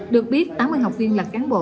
được biết tám mươi học viên là cán bộ